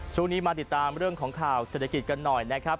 ช่วงนี้มาติดตามเรื่องของข่าวเศรษฐกิจกันหน่อยนะครับ